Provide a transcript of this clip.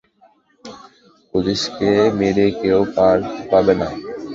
পুলিশকে মেরে কেউ পার পাবে না।